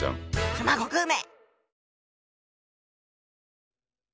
熊悟空め！